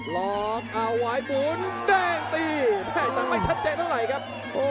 แล้วหวังได้ปลอดภัยครับ